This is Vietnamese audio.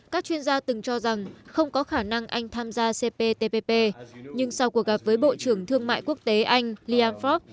các chuyên gia từng cho rằng không có khả năng anh tham gia cptpp nhưng sau cuộc gặp với bộ trưởng thương mại quốc tế anh liam fox